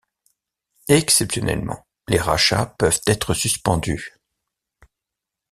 Exceptionnellement, les rachats peuvent être suspendus.